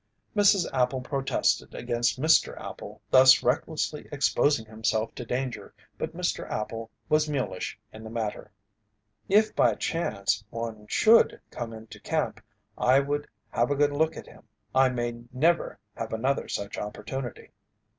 Mrs. Appel protested against Mr. Appel thus recklessly exposing himself to danger but Mr. Appel was mulish in the matter. "If, by chance, one should come into camp I would have a good look at him. I may never have another such opportunity."